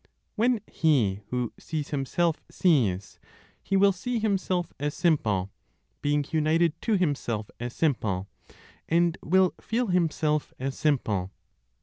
When he who sees himself sees, he will see himself as simple, being united to himself as simple, and will feel himself as simple.